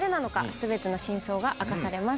全ての真相が明かされます。